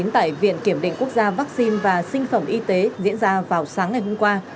tại viện kiểm định quốc gia vaccine và sinh phẩm y tế diễn ra vào sáng ngày hôm qua